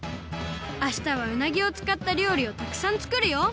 あしたはうなぎをつかったりょうりをたくさんつくるよ。